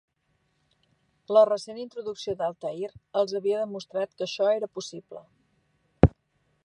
La recent introducció d'Altair els havia demostrat que això era possible.